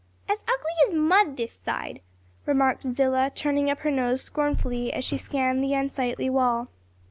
"As ugly as mud this side," remarked Zillah, turning up her nose scornfully as she scanned the unsightly wall.